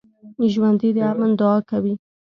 ژوندي د امن دعا کوي